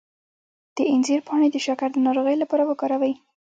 د انځر پاڼې د شکر د ناروغۍ لپاره وکاروئ